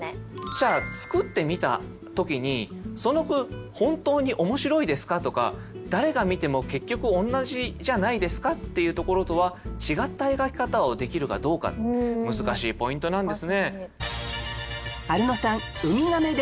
じゃあ作ってみた時に「その句本当に面白いですか？」とか「誰が見ても結局同じじゃないですか？」っていうところとは違った描き方をできるかどうか難しいポイントなんですね。